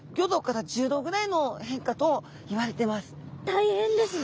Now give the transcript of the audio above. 大変ですね。